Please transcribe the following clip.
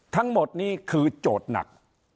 ทั้งหมดนี้คือโจทย์หนัก